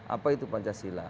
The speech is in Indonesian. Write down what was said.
apa itu pancasila